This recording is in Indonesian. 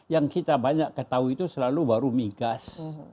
yang kita banyak ketahui itu selalu baru migas